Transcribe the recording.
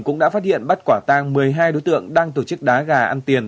cũng đã phát hiện bắt quả tang một mươi hai đối tượng đang tổ chức đá gà ăn tiền